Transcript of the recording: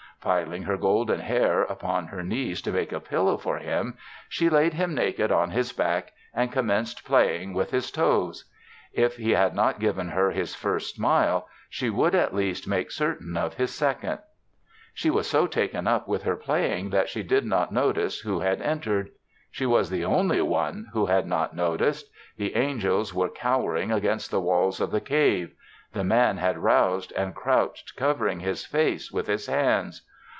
Piling her golden hair upon her knees to make a pillow for him, she laid him naked on his back and commenced playing with his toes. If he had not given her his first smile, she would at least make certain of his second. She was so taken up with her playing that she did not notice who had entered. She was the only one who had not noticed. The angels were cowering against the walls of the cave. The Man had roused and crouched covering his face with his hands.